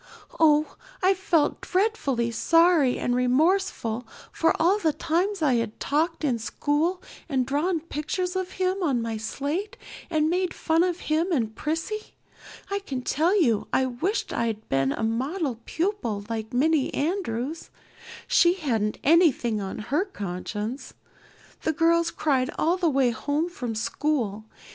Oh, I felt dreadfully sorry and remorseful for all the times I'd talked in school and drawn pictures of him on my slate and made fun of him and Prissy. I can tell you I wished I'd been a model pupil like Minnie Andrews. She hadn't anything on her conscience. The girls cried all the way home from school.